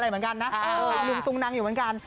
อะไรเหมือนกันนะอ้าเออมึงตรุงนังอยู่เหมือนกัน